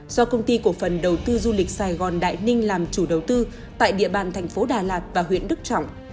do công ty cổ phần đầu tư du lịch sài gòn đại ninh làm chủ đầu tư tại địa bàn thành phố đà lạt và huyện đức trọng